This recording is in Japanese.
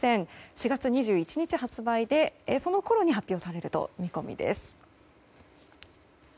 ４月２１日発売でそのころに発表される見込みです。